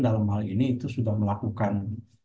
dalam hal ini itu sudah melakukan